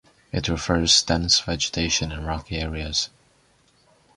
It prefers dense vegetation and rocky areas.